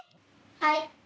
はい。